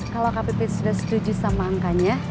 kalau kak pipit sudah setuju sama angkanya